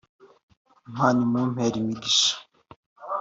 Imana imumpere imigisha